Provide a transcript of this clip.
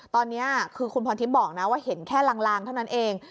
ตอนนี้คือคุณพรทิพย์บอกนะว่าเห็นแค่ลางเท่านั้นเอง